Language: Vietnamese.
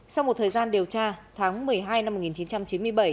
sau một thời gian điều tra tháng một mươi hai năm một nghìn chín trăm chín mươi bảy